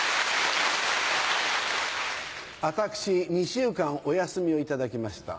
私２週間お休みを頂きました。